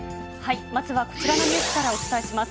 まずはこちらのニュースからお伝えします。